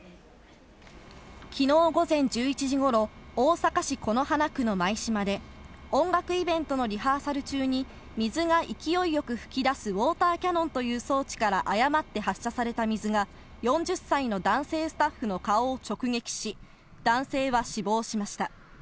きのう午前１１時ごろ、大阪市此花区の舞洲で音楽イベントのリハーサル中に水が勢いよく噴き出すウォーターキャノンという装置から誤って発射された水が４０歳の男性スタッフの顔を直撃し、男性は死亡しました。